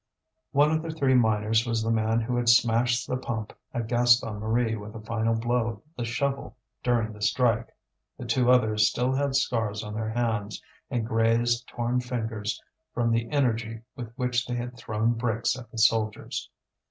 One of the three miners was the man who had smashed the pump at Gaston Marie with a final blow of the shovel during the strike; the two others still had scars on their hands, and grazed, torn fingers from the energy with which they had thrown bricks at the soldiers.